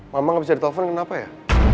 mama gak bisa ditelepon kenapa ya